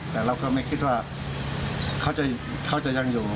แต่เราก็ไม่คิดว่าเขาจะยังอยู่